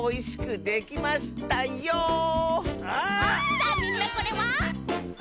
さあみんなこれは？